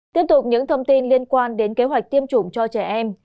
tiếp tục những thông tin liên quan đến kế hoạch tiêm chủng cho trẻ em